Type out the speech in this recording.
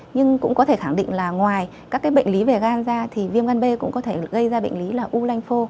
nhưng cũng có thể khẳng định là ngoài các bệnh lý về gan ra thì viêm gan b cũng có thể gây ra bệnh lý là u lanh phô